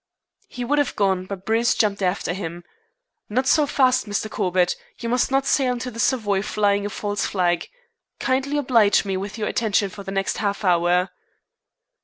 He would have gone, but Bruce jumped after him. "Not so fast, Mr. Corbett. You must not sail into the Savoy flying a false flag. Kindly oblige me with your attention for the next half hour."